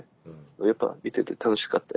やっぱ見てて楽しかったりしてね